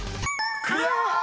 ［クリア！］